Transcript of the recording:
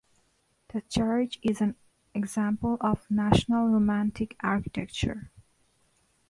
The church is an example of National Romantic architecture.